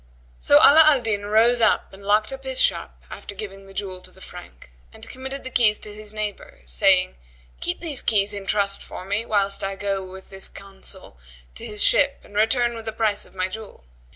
So Ala al Din rose and locked up his shop, after giving the jewel to the Frank, and committed the keys to his neighbour, saying, "Keep these keys in trust for me, whilst I go with this Consul to his ship and return with the price of my jewel.